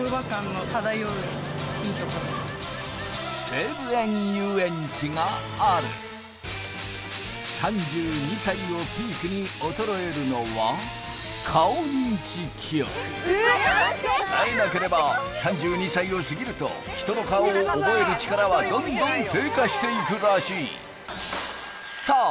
西武園ゆうえんちがある３２歳をピークに衰えるのは鍛えなければ３２歳を過ぎると人の顔を覚える力はどんどん低下していくらしいさあ